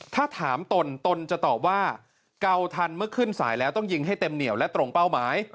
ถ้าถามตนตนจะตอบว่าเกาทันเมื่อขึ้นสายแล้วต้องยิงให้เต็มเหนียวและตรงเป้าหมาย